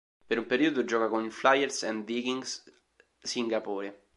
Per un periodo gioca con il Flyers and Vikings Singapore.